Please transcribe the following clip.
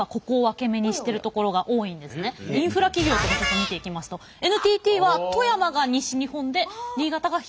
インフラ企業とか見ていきますとＮＴＴは富山が西日本で新潟が東日本。